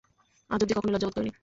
আজ অবধি কখনই লজ্জা বোধ করি নি।